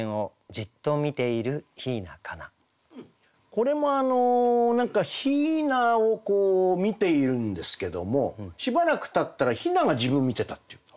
これも雛を見ているんですけどもしばらくたったら雛が自分見てたっていう。